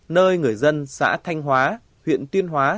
nơi người dân xã thanh hóa huyện tuyên hóa